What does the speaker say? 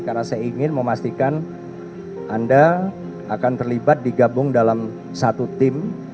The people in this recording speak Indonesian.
karena saya ingin memastikan anda akan terlibat digabung dalam satu tim